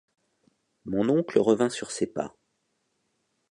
Mon oncle revint sur ses pas.